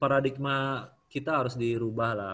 paradigma kita harus dirubah lah